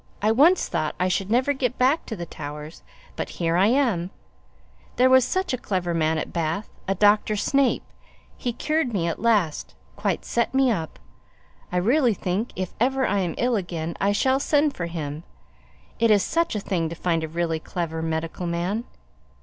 I once thought I should never get back to the Towers, but here I am! There was such a clever man at Bath a Doctor Snape he cured me at last quite set me up. I really think if ever I am ill again I shall send for him: it is such a thing to find a really clever medical man.